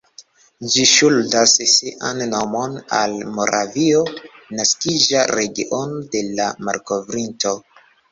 Ĝi ŝuldas sian nomon al Moravio, naskiĝa regiono de la malkovrinto.